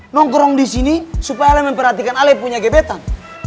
nongkrong disini supaya ale memperhatikan ale punya gebetan